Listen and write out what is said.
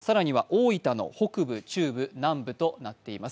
熊本県の阿蘇、更には大分の北部中部南部となっています。